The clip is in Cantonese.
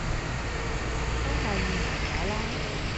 都係預埋我啦！